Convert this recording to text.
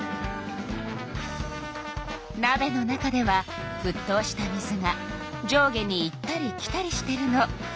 なべの中ではふっとうした水が上下に行ったり来たりしてるの。